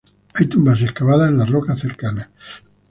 Hay tumbas excavadas en las rocas cercanas.